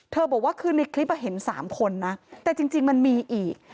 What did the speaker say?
บอกว่าคือในคลิปเห็น๓คนนะแต่จริงมันมีอีก